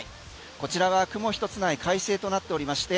こちらは雲一つない快晴となっておりまして